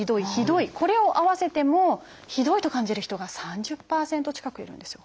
これを合わせても「ひどい」と感じる人が３０％近くいるんですよ。